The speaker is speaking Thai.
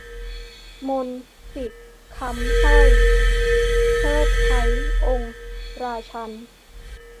มนต์-สิทธิ์-คำสร้อย :'เทิดไท้องค์ราชันย์'